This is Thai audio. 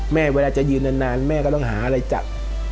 เวลาจะยืนนานแม่ก็ต้องหาอะไรจัด